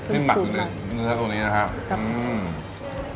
ไม่น่าเชื่อว่าเนื้อ